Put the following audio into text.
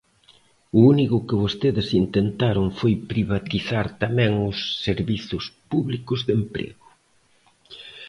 O único que vostedes intentaron foi privatizar tamén os servizos públicos de emprego.